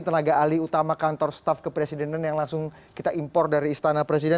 tenaga ahli utama kantor staf kepresidenan yang langsung kita impor dari istana presiden